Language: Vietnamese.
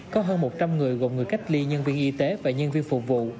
có hơn một trăm linh người gồm người cách ly nhân viên y tế và nhân viên phục vụ